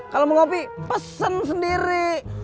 kalau ngopi pesen sendiri